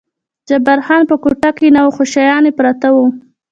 جبار خان په کوټه کې نه و، خو شیان یې پراته و.